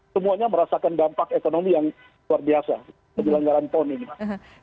semuanya merasakan dampak ekonomi yang luar biasa penyelenggaran pon ini mas